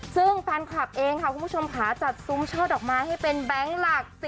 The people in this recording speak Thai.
ซึ่งแฟนคลับเองค่ะคุณผู้ชมค่ะจัดซุ้มเชิดดอกไม้ให้เป็นแบงค์หลัก